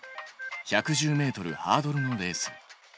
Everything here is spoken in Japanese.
１１０ｍハードルのレース。